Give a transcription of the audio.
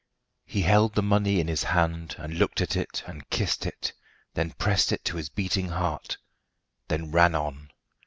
He held the money in his hand, and looked at it, and kissed it; then pressed it to his beating heart, then ran on.